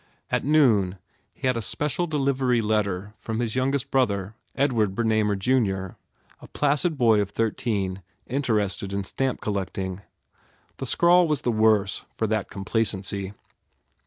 At noon he had a special de livery letter from his youngest brother, Edward Bernamer, Junior, a placid boy of thirteen inter ested in stamp collecting. The scrawl was the worse for that complacency.